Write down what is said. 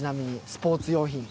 スポーツ用品。